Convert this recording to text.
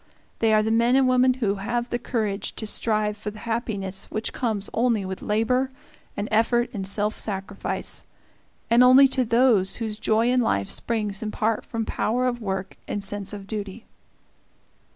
They are the men and women who have the courage to strive for the happiness which comes only with labor and effort and self sacrifice, and only to those whose joy in life springs in part from power of work and sense of duty.